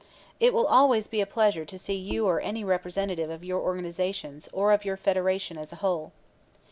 It will always be a pleasure to see you or any representative of your organizations or of your Federation as a whole.